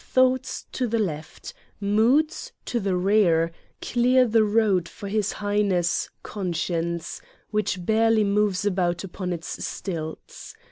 thoughts, to the left! moods, to the rear clear the road for His High ness, Conscience, which barely moves about upon its stilts.